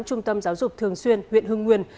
trung tâm giáo dục thường xuyên huyện hưng nguyên